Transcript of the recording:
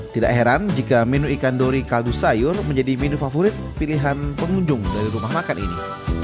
tidak heran jika menu ikan dori kaldu sayur menjadi menu favorit pilihan pengunjung dari rumah makan ini